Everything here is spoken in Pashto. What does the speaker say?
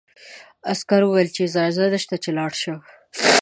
عسکر وویل چې اجازه نشته چې لاړ شم.